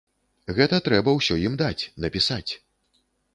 Гэта трэба ўсё ім даць, напісаць.